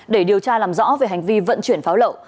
để điều tra làm rõ về hành vi vận chuyển pháo lậu